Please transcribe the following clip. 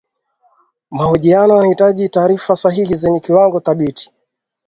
mahojiano yanahitaji taarifa sahihi zenye kiwango thabiti